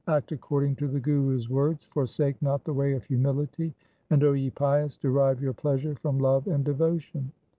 Act according to the Guru's words ; forsake not the way of humility, and, O ye pious, derive your pleasure from love and devotion.